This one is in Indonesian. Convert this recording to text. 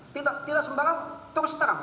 tidak sembarang terus terang